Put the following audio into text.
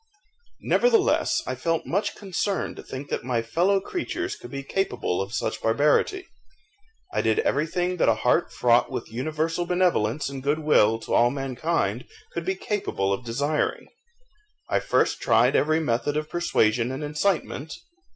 Nevertheless, I felt much concern to think that my fellow creatures could be capable of such barbarity. I did everything that a heart fraught with universal benevolence and good will to all mankind could be capable of desiring. I first tried every method of persuasion and incitement.